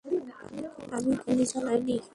আমি গুলি চালাইনি!